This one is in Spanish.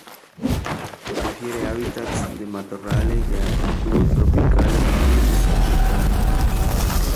Prefiere hábitats de matorrales de altitud, tropicales y subtropicales.